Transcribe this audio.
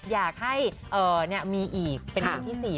อยากให้มีอีกเป็นคนที่สี่